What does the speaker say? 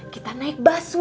kita naik bus ke cawang